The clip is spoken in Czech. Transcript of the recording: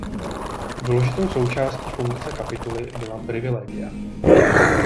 Důležitou součástí funkce kapituly byla privilegia.